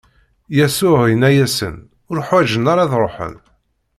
Yasuɛ inna-asen: Ur ḥwaǧen ara ad ṛuḥen.